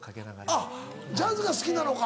あっジャズが好きなのか。